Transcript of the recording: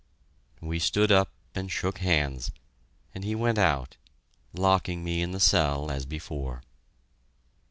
We stood up and shook hands, and he went out, locking me in the cell as before.